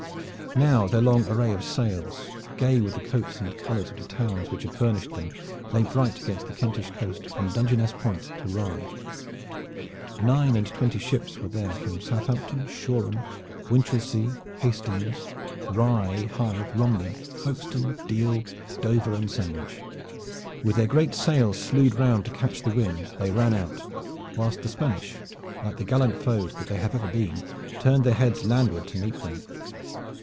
Now their long array of sails, gay with the coats and colors of the towns which had furnished them, lay bright against the Kentish coast from Dungeness Point to Rye. Nine and twenty ships were there from Southampton, Shoreham, Winchelsea, Hastings, Rye, Hythe, Romney, Folkestone, Deal, Dover and Sandwich. With their great sails slued round to catch the wind they ran out, whilst the Spanish, like the gallant foes that they have ever been, turned their heads landward to meet them.